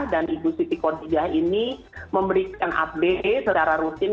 dan ibu siti kodijah ini memberikan update secara rutin